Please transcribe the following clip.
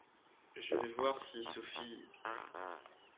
Je vais voir si Sophie…